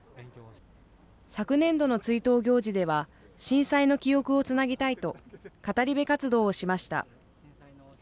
昨年度の追悼行事では、震災の記憶をつなぎたいと、語り部活動をしました。